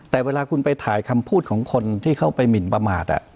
แต่เวลาคุณไปถ่ายคำพูดของคนที่เข้าไปหมินประมาท